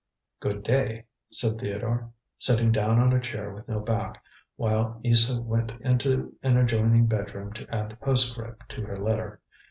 "Good day," said Theodore, sitting down on a chair with no back, while Isa went into an adjoining bedroom to add the postscript to her letter.